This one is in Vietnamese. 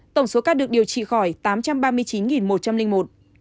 tổng số ca được điều trị khỏi tám trăm ba mươi chín ca nhiễm